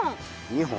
２本？